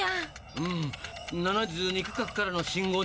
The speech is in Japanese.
うん７２区画からの信号だべ。